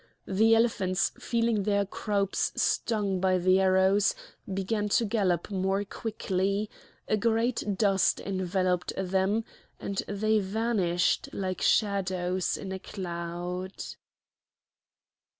The elephants feeling their croups stung by the arrows began to gallop more quickly; a great dust enveloped them, and they vanished like shadows in a cloud.